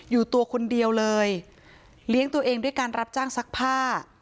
อยู่ตัวคนเดียวเลยเลี้ยงตัวเองด้วยการรับจ้างซักผ้า